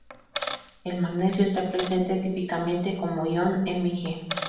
El magnesio está presente típicamente como ion Mg.